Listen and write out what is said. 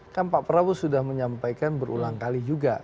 kan pak prabowo sudah menyampaikan berulang kali juga